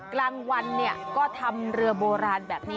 กลางวันเนี่ยก็ทำเรือโบราณแบบนี้